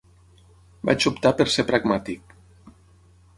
Vaig optar per ser pragmàtic.